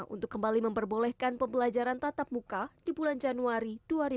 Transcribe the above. untuk kembali memperbolehkan pembelajaran tatap muka di bulan januari dua ribu dua puluh